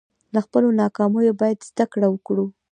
له خپلو ناکامیو باید زده کړه وکړو.